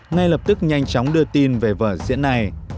ngay lập tức nhanh chóng đưa tin về vở diễn này